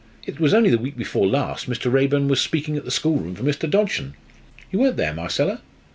"It was only the week before last Mr. Raeburn was speaking at the schoolroom for Mr. Dodgson. You weren't there, Marcella?"